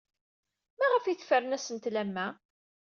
Maɣef ay tefren asentel am wa?